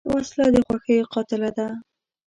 وسله د خوښیو قاتله ده